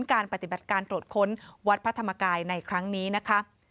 การปฏิบัติการตรวจค้นวัดพระธรรมกายในครั้งนี้นะคะ